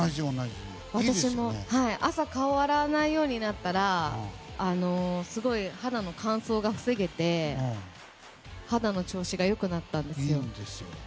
私も朝顔を洗わないようになったらすごく肌の乾燥が防げて肌の調子が良くなったんですよ。